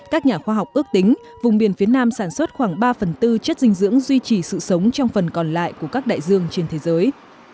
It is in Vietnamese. các nhà khoa học ước tính vùng biển phía nam sản xuất khoảng ba phần tư chất dinh dưỡng duy trì sự sống trong phần còn lại của các đại dương trên thế giới